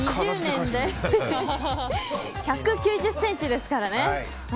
１９０ｃｍですからね。